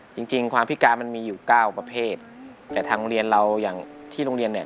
จริงจริงความพิการมันมีอยู่เก้าประเภทแต่ทางเรียนเราอย่างที่โรงเรียนเนี่ย